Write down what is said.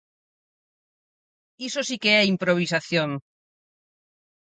Iso si que é improvisación.